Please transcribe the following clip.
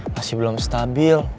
masih belum stabil